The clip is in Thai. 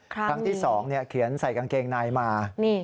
ครั้งที่๒เขียนใส่กางเกงในมา